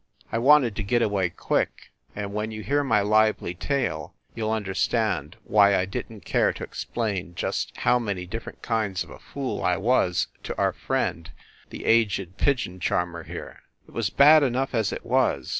I wanted to get away quick, and when you hear my lively tale, you ll understand why I didn t care to explain just how many different kinds of a fool I was to our friend, the aged pigeon charmer, here. It was bad enough as it was.